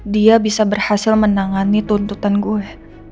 dia bisa berhasil menangani tuntutan gue